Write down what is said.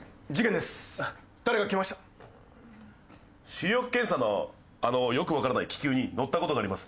視力検査のあのよくわからない気球に乗った事があります。